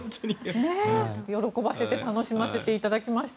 喜ばせて楽しませていただきました。